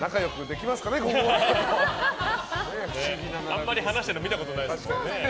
あんまり話してるの見たことないですけどね。